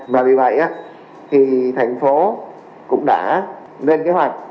và vì vậy thì thành phố cũng đã lên kế hoạch để giao nhiệm vụ cụ thể rõ ràng